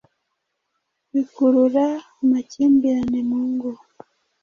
bikurura amakimbirane mu ngo